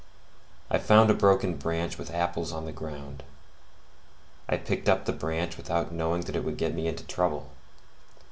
I found a broken branch with apples on the ground; I picked up the branch without knowing that it would get me into trouble.